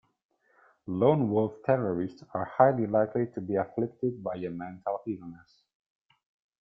Lone wolf terrorists are highly likely to be afflicted by a mental illness.